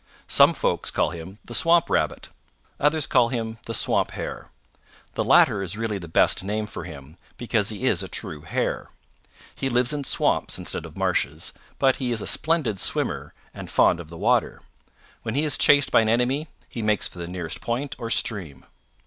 Some folks call him the Swamp Rabbit. Others call him the Swamp Hare. The latter is really the best name for him, because he is a true Hare. He lives in swamps instead of marshes, but he is a splendid swimmer and fond of the water. When he is chased by an enemy he makes for the nearest point or stream."